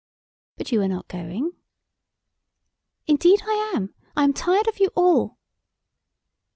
"But you are not going." "Indeed I am. I am tired of you all."